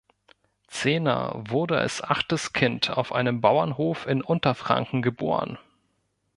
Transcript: Zehner wurde als achtes Kind auf einem Bauernhof in Unterfranken geboren.